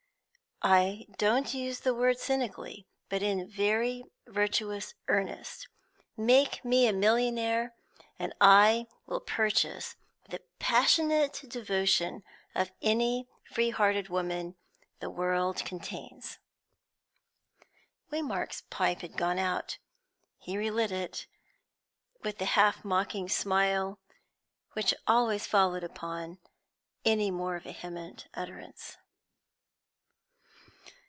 I don't use the word cynically, but in very virtuous earnest. Make me a millionaire, and I will purchase the passionate devotion of any free hearted woman the world contains!" Waymark's pipe had gone out; he re lit it, with the half mocking smile which always followed upon any more vehement utterance.